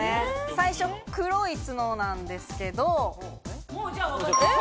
最初、黒い角なんですけれども。